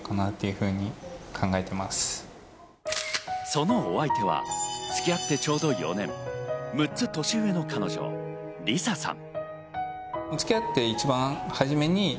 そのお相手は付き合ってちょうど４年、６つ年上の彼女・理紗さん。